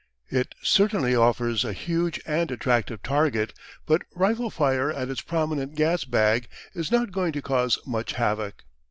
It certainly offers a huge and attractive target, but rifle fire at its prominent gas bag is not going to cause much havoc.